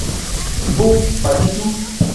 Non, pas du tout.